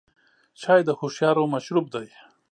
چای د هوښیارو مشروب دی.